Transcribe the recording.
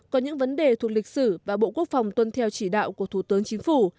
có những vấn đề thuộc lịch sử và bộ quốc phòng tuân theo chỉ đạo của thủ tướng chính phủ